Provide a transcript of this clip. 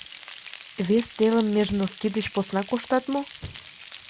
Вес телым меж носки деч посна коштат мо?